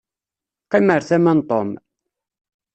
Qqim ar tama n Tom.